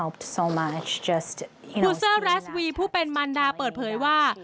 เซอร์แรสวีผู้เป็นมันดาเปิดเผยว่า